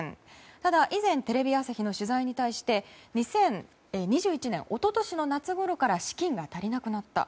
ただ、以前テレビ朝日の取材に対して２０２１年、一昨年の夏ごろから資金が足りなくなった。